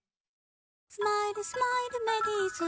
「スマイルスマイルメリーズ」